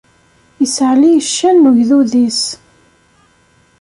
Issaɛli ccan n ugdud-is.